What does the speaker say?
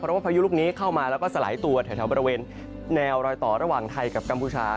เพราะว่าพายุลูกนี้เข้ามาแล้วก็สลายตัวแถวบริเวณแนวรอยต่อระหว่างไทยกับกัมพูชา